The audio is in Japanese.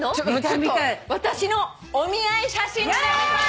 私のお見合い写真でございます。